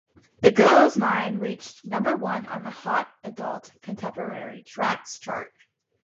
"The Girl Is Mine" reached number one on the Hot Adult Contemporary Tracks chart.